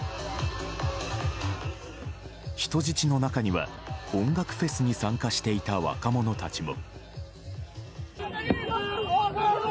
人質の中には音楽フェスに参加していた若者たちも。